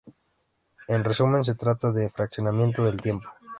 En resumen, se trata de fraccionamiento del tiempo.